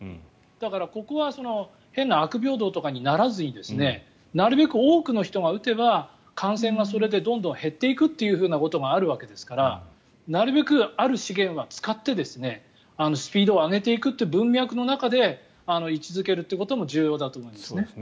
だから、ここは変な悪平等とかにならずになるべく多くの人が打てば感染がそれでどんどん減っていくということがあるわけですからなるべくある資源は使ってスピードを上げていくという文脈の中で位置付けるということも重要だと思いますね。